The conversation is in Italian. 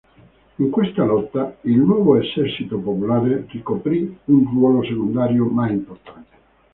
In questa lotta, il Nuovo Esercito Popolare ricoprì un ruolo secondario ma importante.